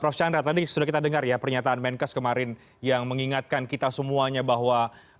prof chandra tadi sudah kita dengar ya pernyataan menkes kemarin yang mengingatkan kita semuanya bahwa